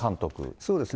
そうですね。